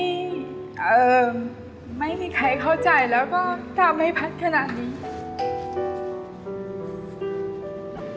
ก็ไม่มีใครเข้าใจแล้วก็ตามไม่พัฒน์ขนาดนี้